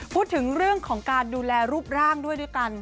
พูดถึงเรื่องของการดูแลรูปร่างด้วยด้วยกัน